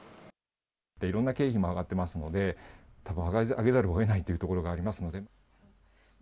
いろんな経費も上がってますので、たぶん、上げざるをえないというところがありますので。